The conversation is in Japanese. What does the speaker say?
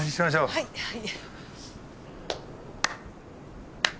はいはい。